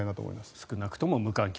少なくとも無観客。